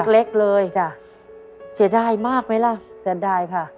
เล็กเลยจ้ะเสียดายมากไหมล่ะเสียดายค่ะ